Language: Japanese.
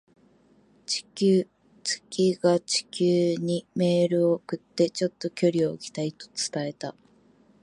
月が地球にメールを送って、「ちょっと距離を置きたい」と伝えた。